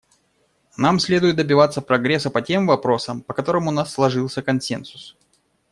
Нам следует добиваться прогресса по тем вопросам, по которым у нас сложился консенсус.